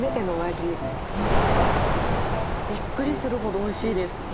びっくりするほどおいしいです。